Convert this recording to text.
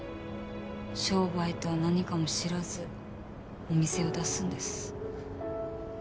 商売とは何かも知らずお店を出すんです。